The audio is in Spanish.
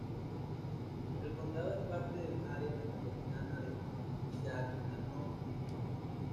El condado es parte del área metropolitana de Chattanooga.